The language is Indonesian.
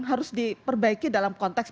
harus diperbaiki dalam konteks